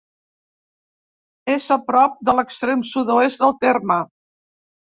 És a prop de l'extrem sud-oest del terme.